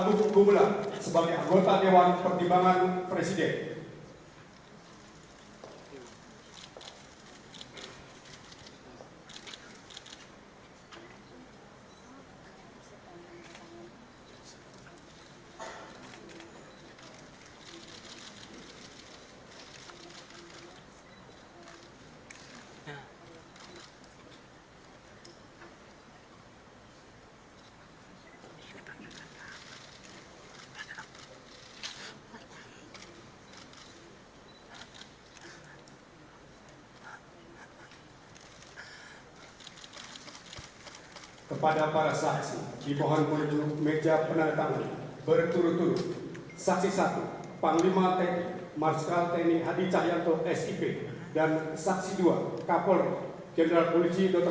kepada yangtaro rahmat presiden republik indonesia